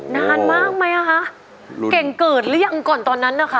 นานมากไหมอ่ะคะเก่งเกิดหรือยังก่อนตอนนั้นนะคะ